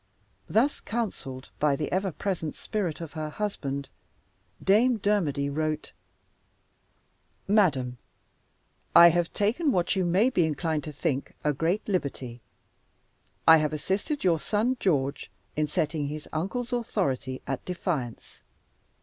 Thus, counseled by the ever present spirit of her husband, Dame Dermody wrote: "MADAM I have taken what you may be inclined to think a great liberty. I have assisted your son George in setting his uncle's authority at defiance.